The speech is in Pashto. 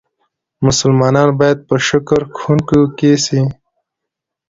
مسلمانان بايد شکرکښونکي سي.